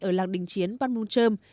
ở làng đình chiến panmunjom